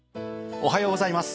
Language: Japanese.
おはようございます。